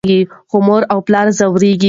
خو مور او پلار ځورېږي.